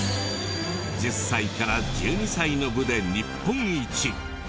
１０歳から１２歳の部で日本一！